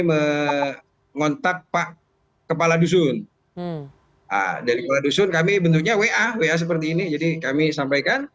mengontak pak kepala dusun dari kepala dusun kami bentuknya wa wa seperti ini jadi kami sampaikan